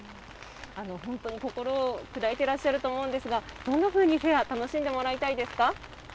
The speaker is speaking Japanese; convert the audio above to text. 本当に心を砕いてらっしゃると思うんですが、どんなふうに、フェアを楽しんでもらいたいですか。